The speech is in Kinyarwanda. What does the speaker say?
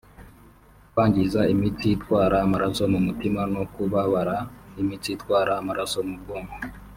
kwangiza imitsi itwara amaraso mu mutima no kubabara imitsi itwara amaraso mu bwonko